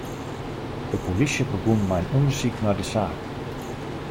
De polysje begûn mei in ûndersyk nei de saak.